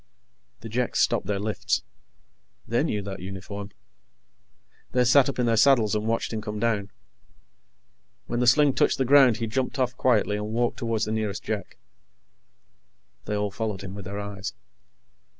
The Jeks stopped their lifts. They knew that uniform. They sat up in their saddles and watched him come down. When the sling touched the ground, he jumped off quietly and walked toward the nearest Jek. They all followed him with their eyes.